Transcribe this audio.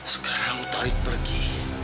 sekarang tarik pergi